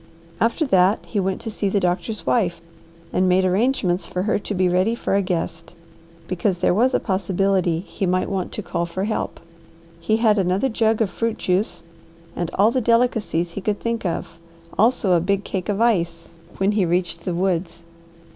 After that he went to see the doctor's wife, and made arrangements for her to be ready for a guest, because there was a possibility he might want to call for help. He had another jug of fruit juice and all the delicacies he could think of, also a big cake of ice, when he reached the woods.